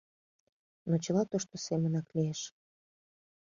Но чыла тошто семынак лиеш.